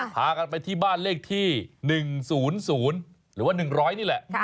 พากันไปที่บ้านเลขที่๑๐๐หรือว่า๑๐๐นี่แหละ